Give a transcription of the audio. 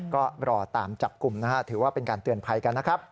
ก็รอตามจับกลุ่มนะฮะถือว่าเป็นการเตือนภัยกันนะครับ